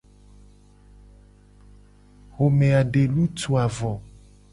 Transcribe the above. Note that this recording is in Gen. Xome a de lutuu a vo.